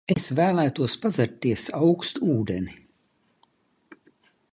Es vēlētos padzerties aukstu ūdeni.